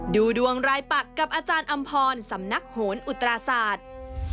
ดูดวงรายปักกับอาจารย์อำพรสำนักโหนอุตราศาสตร์